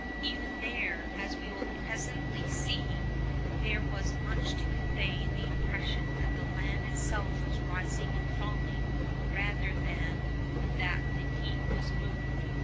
Even there, as we shall presently see, there was much to convey the impression that the land itself was rising and falling rather than that the deep was moved.